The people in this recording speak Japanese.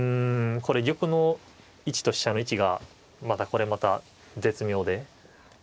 これ玉の位置と飛車の位置がこれまた絶妙で。